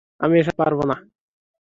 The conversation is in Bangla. আমি এসব পারবো না।